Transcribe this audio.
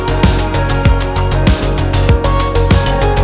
selengkapnya akan kami bahas dalam sapa nusantara